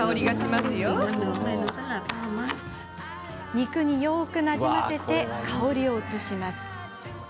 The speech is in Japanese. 肉によくなじませて香りを移します。